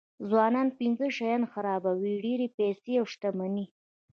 ځوانان پنځه شیان خرابوي ډېرې پیسې او شتمني.